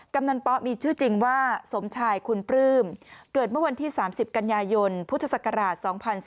กำนันป๊อมีชื่อจริงว่าสมชายคุณปลื้มเกิดเมื่อวันที่๓๐กันยายนพุทธศักราช๒๔๙